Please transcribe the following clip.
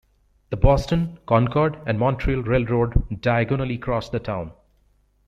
The Boston, Concord and Montreal Railroad diagonally crossed the town.